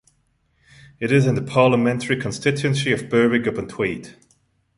It is in the parliamentary constituency of Berwick-upon-Tweed.